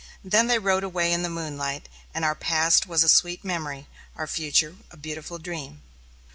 Then they rode away in the moonlight, and our past was a sweet memory, our future a beautiful dream.